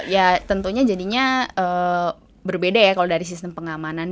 ya tentunya jadinya berbeda ya kalau dari sistem pengamanan